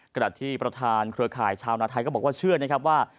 ขณะที่ประธานเครือข่ายชาวนาไทยก็บอกว่าเชื่อนะครับว่า